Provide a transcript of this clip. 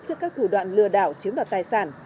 trước các thủ đoạn lừa đảo chiếm đoạt tài sản